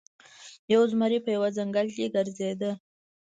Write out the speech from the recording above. یو زمری په یوه ځنګل کې ګرځیده.